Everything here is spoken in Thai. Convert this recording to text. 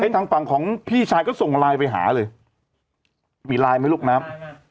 ทางฝั่งของพี่ชายก็ส่งไลน์ไปหาเลยมีไลน์ไหมลูกน้ำ